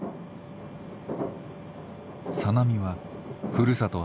小波はふるさと